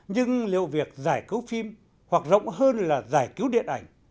nhưng liệu việc giải cứu phim hoặc rộng hơn là giải cứu điện ảnh